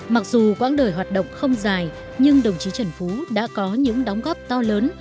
mặc dù quãng đời hoạt động không dài nhưng đồng chí trần phú đã có những đóng góp to lớn